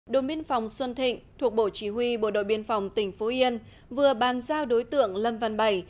đồn biên phòng xuân thịnh thuộc bộ chỉ huy bộ đội biên phòng tỉnh phú yên vừa bàn giao đối tượng lâm văn bảy